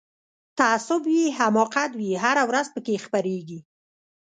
تعصب وي حماقت وي هره ورځ پکښی خپریږي